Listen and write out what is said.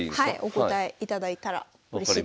お答えいただいたらうれしいです。